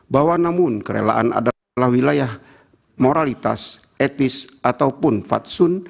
bahwa namun kerelaan adalah wilayah moralitas etis ataupun fatsun